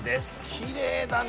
きれいだね。